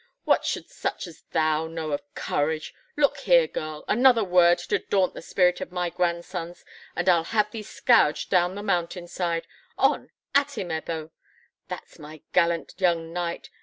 "What should such as thou know of courage? Look here, girl: another word to daunt the spirit of my grandsons, and I'll have thee scourged down the mountain side! On! At him, Ebbo! That's my gallant young knight!